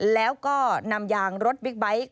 แล้วก็นำยางรถบิ๊กไบท์